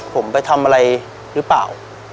ผมไปทำอะไรหรือเปล่า